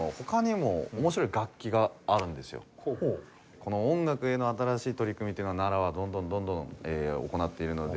この音楽への新しい取り組みっていうのを奈良はどんどんどんどん行っているので。